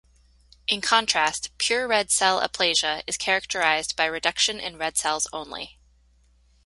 In contrast, pure red cell aplasia is characterized by reduction in red cells only.